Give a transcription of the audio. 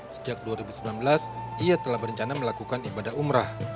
sejak dua ribu sembilan belas ia telah berencana melakukan ibadah umrah